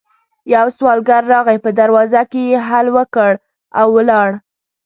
يو سوالګر راغی، په دروازه کې يې هل وکړ او ولاړ.